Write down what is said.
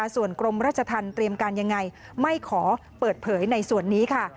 ส่วนกรมราชธรรมเตรียมการยังไงไม่ขอเปิดเผยในส่วนนี้ค่ะ